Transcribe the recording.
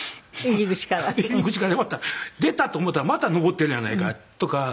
入り口からまた「出たと思ったらまた上ってるやないか」とか。